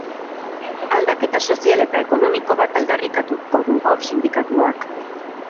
Aldaketa sozial eta ekonomiko bat aldarrikatuko du gaur sindikatuak.